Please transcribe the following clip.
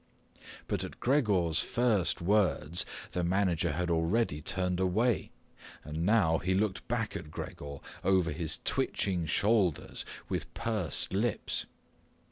But at Gregor's first words the manager had already turned away, and now he looked back at Gregor over his twitching shoulders with pursed lips.